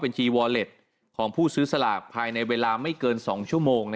จีวอเล็ตของผู้ซื้อสลากภายในเวลาไม่เกิน๒ชั่วโมง